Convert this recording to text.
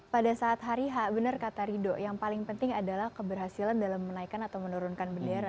pada saat hari ha benar kata rido yang paling penting adalah keberhasilan dalam menaikan atau menurunkan bendera